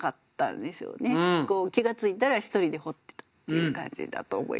気が付いたら一人で掘ってたっていう感じだと思います。